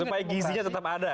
supaya gizinya tetap ada